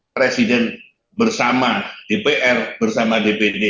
presiden bersama dpr bersama dpd